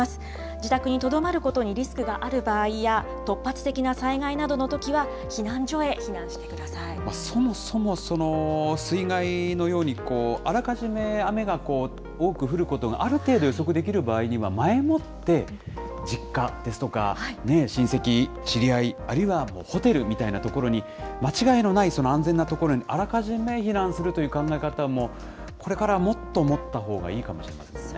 自宅にとどまることにリスクがある場合や、突発的な災害などのとそもそもその水害のように、あらかじめ雨がこう、多く降ることがある程度予測できる場合には、前もって実家ですとか、親戚、知り合い、あるいはホテルみたいなところに、間違いのないその安全の所にあらかじめ避難するという考え方も、これからはもっと持ったほうがいいかもしれませんね。